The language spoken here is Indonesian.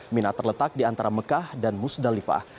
mina terletak di antara mekah dan musdalifah